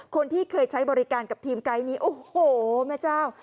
คนที่เคยใช้บริการกับทีมไกด์นี้โอ้โหแม่เจ้า